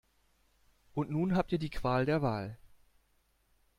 Und nun habt ihr die Qual der Wahl.